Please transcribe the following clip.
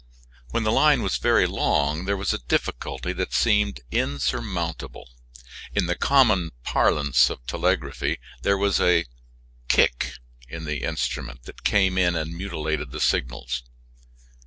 When the line was very long there was a difficulty that seemed insurmountable. In the common parlance of telegraphy, there was a "kick" in the instrument that came in and mutilated the signals.